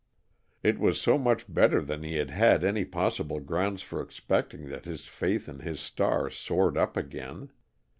It was so much better than he had had any possible grounds for expecting that his faith in his star soared up again.